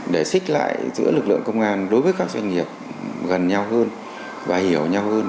để xích lại giữa lực lượng công an đối với các doanh nghiệp gần nhau hơn và hiểu nhau hơn